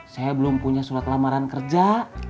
saya belum punya surat lamaran kerja